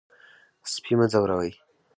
سپي مه ځوروئ.